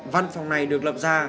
văn phòng này được đánh giá cao